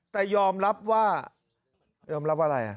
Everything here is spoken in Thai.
แต่ยอมรับว่ายอมรับอะไร